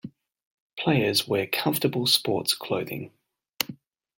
Players wear comfortable sports clothing.